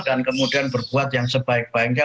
dan kemudian berbuat yang sebaik baiknya